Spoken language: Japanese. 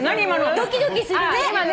ドキドキするね！